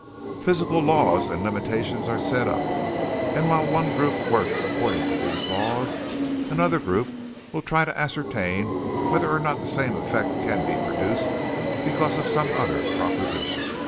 Physical laws and limitations are set up, and while one group works according to these laws, another group will try to ascertain whether or not the same effect can be produced because of some other proposition.